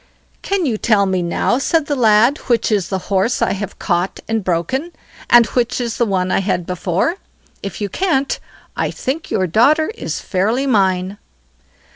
"Can you tell me now", said the lad, "which is the horse I have caught and broken, and which is the one I had before. If you can't, I think your daughter is fairly mine."